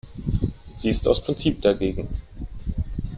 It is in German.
Sie ist aus Prinzip dagegen.